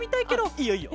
いいよいいよ！